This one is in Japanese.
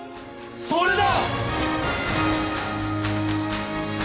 それだ！